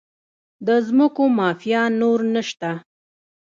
د ځمکو مافیا نور نشته؟